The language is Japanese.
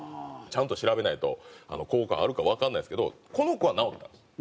ちゃんと調べないと効果あるかわかんないですけどこの子は治ったんです。